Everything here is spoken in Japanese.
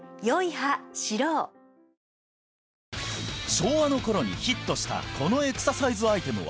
昭和の頃にヒットしたこのエクササイズアイテムは？